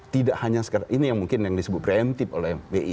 tidak hanya ini yang mungkin disebut preemptive oleh bi